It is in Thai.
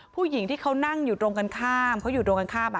ผู้หญิงที่เขานั่งอยู่ตรงกันข้ามเขาอยู่ตรงกันข้าม